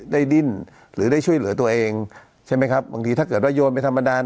ดิ้นหรือได้ช่วยเหลือตัวเองใช่ไหมครับบางทีถ้าเกิดว่าโยนไปธรรมดา